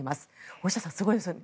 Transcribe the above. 大下さん、すごいですよね。